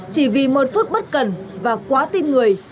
chỉ vì một phút bất cần và quá tin người